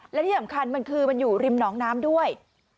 และที่สำคัญมันคือมันอยู่ริมหนองน้ำด้วย